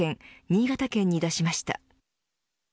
新潟県に出しました。